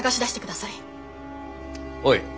おい。